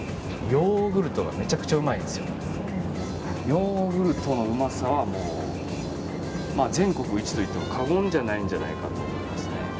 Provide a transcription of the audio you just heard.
ヨーグルトのうまさは全国１と言っても過言じゃないんじゃないかと思いますね。